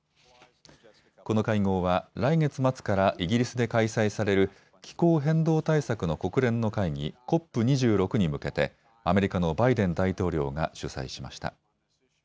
この会合は来月末からイギリスで開催される気候変動対策の国連の会議、ＣＯＰ２６に向けてアメリカのバイデン大統領が主催しました。